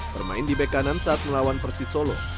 pemain di bkn saat melawan persisolo